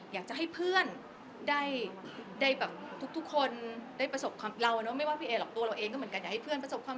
อยากมาเป็นไม่ตัวเองก็เหมือนกัน